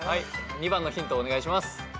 ２番のヒントをお願いします。